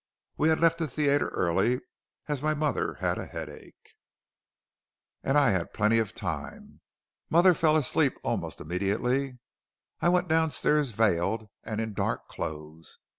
We had left the theatre early, as my mother had a headache, and I had plenty of time. Mother fell asleep almost immediately. I went downstairs veiled, and in dark clothes.